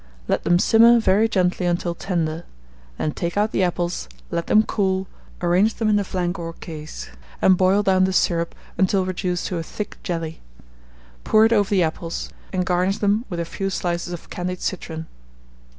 Let them simmer very gently until tender; then take out the apples, let them cool, arrange them in the flanc or case, and boil down the syrup until reduced to a thick jelly; pour it over the apples, and garnish them with a few slices of candied citron.